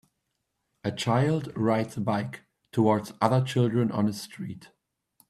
A child rides a bike towards other children on a street.